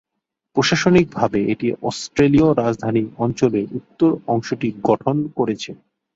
প্রশাসনিকভাবে এটি অস্ট্রেলীয় রাজধানী অঞ্চলের উত্তর অংশটি গঠন করেছে।